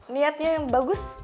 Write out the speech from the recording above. niatnya yang bagus